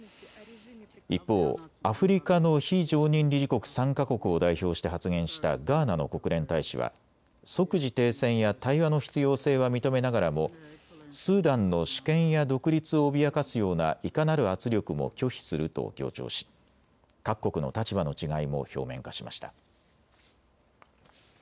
一方、アフリカの非常任理事国３か国を代表して発言したガーナの国連大使は即時停戦や対話の必要性は認めながらもスーダンの主権や独立を脅かすようないかなる圧力も拒否すると強調し各国の立場の違いも表面化しました。